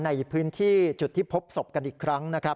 ในพื้นที่จุดที่พบศพกันอีกครั้งนะครับ